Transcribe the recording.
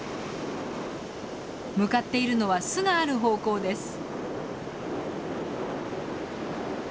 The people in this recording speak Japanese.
向かっているのは巣がある方向です。